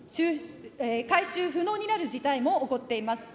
回収不能になる事態も起こっています。